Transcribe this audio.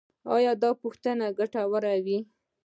ایا دا پوښتنې ګټورې وې؟